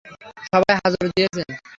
সবাই হাজর দিয়েছেন?